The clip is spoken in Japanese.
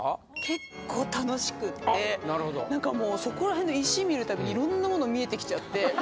結構楽しくてなんかもうそこら辺の石見る度にいろんなものに見えてきちゃって。